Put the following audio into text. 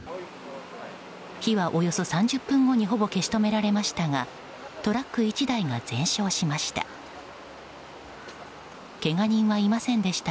火はおよそ３０分後にほぼ消し止められましたがトラック１台が全焼しました。